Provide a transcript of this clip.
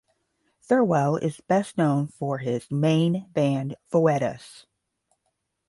Thirlwell is best known for his main band, Foetus.